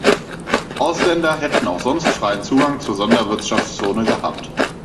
Ausländer hätten auch sonst freien Zugang zur Sonderwirtschaftszone gehabt.